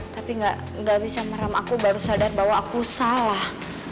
tapi nggak bisa meram aku baru sadar bahwa aku salah